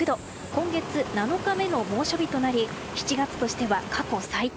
今月７日目の猛暑日となり７月としては過去最多。